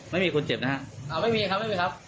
ไม่มีคนเจ็บนะฮะไม่มีครับไม่มีครับ